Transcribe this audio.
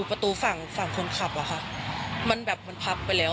ประตูฝั่งฝั่งคนขับอะค่ะมันแบบมันพับไปแล้ว